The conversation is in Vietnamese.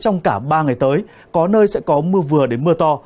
ba ngày tới có nơi sẽ có mưa vừa đến mưa to